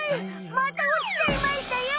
またおちちゃいましたよ！